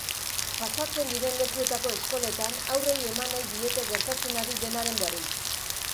Pasatzen diren lekuetako eskoletan, haurrei eman nahi diete gertatzen ari denaren berri.